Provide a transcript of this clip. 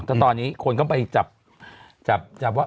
แต่ตอนนี้คนเข้าไปจับว่า